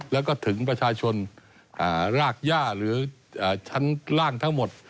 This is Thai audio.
แล้วก็ถึงประชาชนรากย่าหรือชั้นล่างทั้งหมด